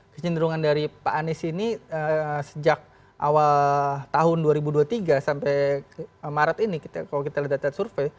kecenderungan dari pak anies ini sejak awal tahun dua ribu dua puluh tiga sampai maret ini kalau kita lihat data survei